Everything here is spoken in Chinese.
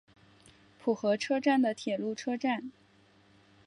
浦和车站的铁路车站。